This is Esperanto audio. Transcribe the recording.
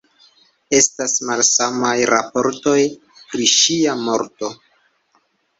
Estas malsamaj raportoj pri ŝia morto.